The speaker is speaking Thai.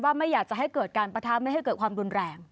ไม่อยากจะให้เกิดการปะทะไม่ให้เกิดความรุนแรง